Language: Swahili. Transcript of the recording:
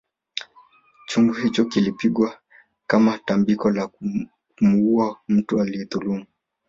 Chungu hicho kilipigwa kama tambiko la kumuuwa mtu aliyedhulumu